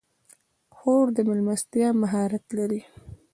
خور د میلمستیا مهارت لري.